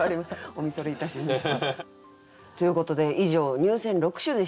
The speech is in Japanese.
お見それいたしました。ということで以上入選六首でした。